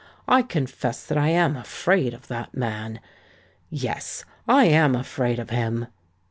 I confess that I am afraid of that man:—yes—I am afraid of him!"